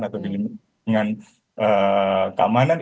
atau di lingkungan keamanan